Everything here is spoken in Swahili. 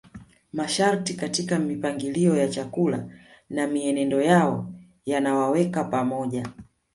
Masharti katika mipangilio ya chakula na mienendo yao yanawaweka pamoja